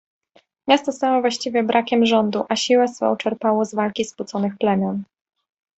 Miasto stało właściwie brakiem rządu, a siłę swą czerpało z walki skłóconych plemion.